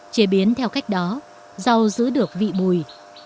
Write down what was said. chế biến theo cách đó rau giữ được vị bùi